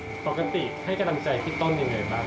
ปกติให้กำลังใจพี่ต้นยังไงบ้าง